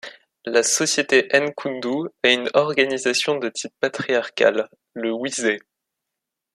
La société nkundu a une organisation de type patriarcal, le Wisé.